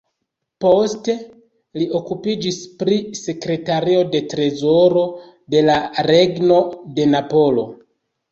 Poste li okupiĝis pri sekretario de trezoro de la Regno de Napolo.